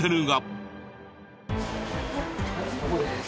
ここです。